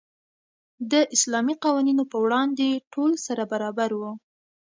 د اسلامي قوانینو په وړاندې ټول سره برابر وو.